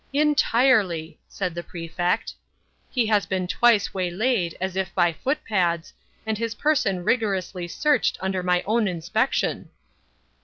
"Entirely," said the Prefect. "He has been twice waylaid, as if by footpads, and his person rigorously searched under my own inspection."